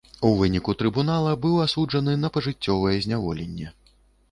У выніку трыбунала быў асуджаны на пажыццёвае зняволенне.